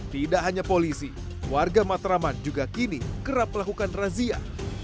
tidak hanya polisi warga matraman juga kini kerap melakukan razia